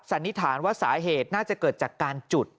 สันนิษฐานว่าสาเหตุน่าจะเกิดจากการจุด